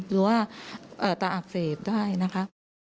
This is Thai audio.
หรือว่าตาอักเสบได้นะคะ